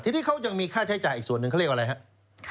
ทีนี้เขายังมีค่าใช้จ่ายอีกส่วนหนึ่งเขาเรียกอะไรครับ